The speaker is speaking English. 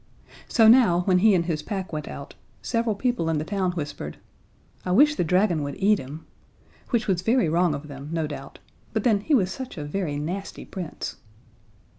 So now, when he and his pack went out, several people in the town whispered, "I wish the dragon would eat him" which was very wrong of them, no doubt, but then he was such a very nasty Prince.